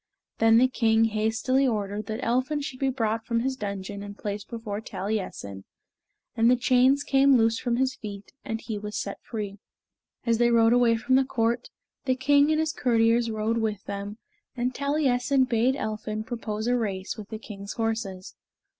Then the king hastily ordered that Elphin should be brought from his dungeon and placed before Taliessin, and the chains came loose from his feet, and he was set free. As they rode away from the court, the king and his courtiers rode with them, and Taliessin bade Elphin propose a race with the king's horses.